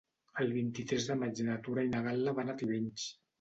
El vint-i-tres de maig na Tura i na Gal·la van a Tivenys.